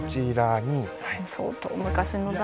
相当昔のだ。